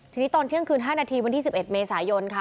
ทีนี้ตอนเที่ยงคืน๕นาทีวันที่๑๑เมษายนค่ะ